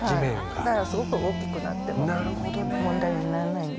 だからすごく大きくなっても問題にならないんで。